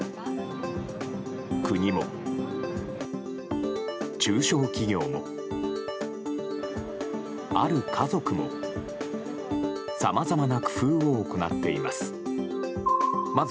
国も、中小企業も、ある家族もさまざまな工夫を行っています。